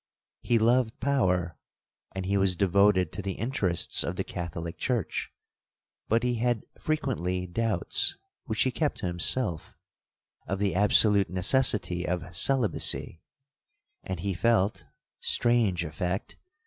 He loved power, and he was devoted to the interests of the Catholic church; but he had frequently doubts, (which he kept to himself), of the absolute necessity of celibacy, and he felt (strange effect!)